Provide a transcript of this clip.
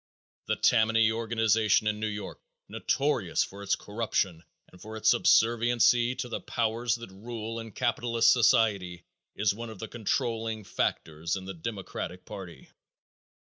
The Tammany organization in New York, notorious for its corruption and for its subserviency to the powers that rule in capitalist society, is one of the controlling factors in the Democratic party.